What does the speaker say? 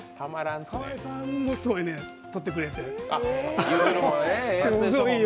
河井さんもすごいとってくれて。